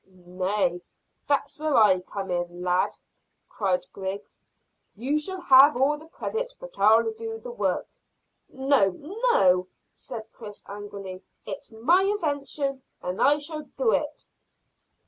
"Nay! That's where I come in, my lad," cried Griggs. "You shall have all the credit, but I'll do the work." "No, no," said Chris angrily. "It's my invention, and I shall do it."